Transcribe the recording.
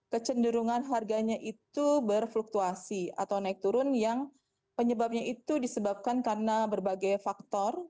kecenderungan harganya itu berfluktuasi atau naik turun yang penyebabnya itu disebabkan karena berbagai faktor